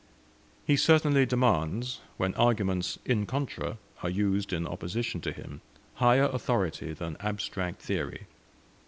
He certainly demands, when arguments in contra are used in opposition to him, higher authority than abstract theory.